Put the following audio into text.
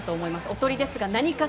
おとりですが何か？